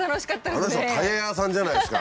あの人はタイヤ屋さんじゃないですか。